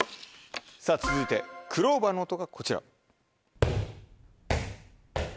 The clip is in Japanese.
さぁ続いてクローバーの音がこちら。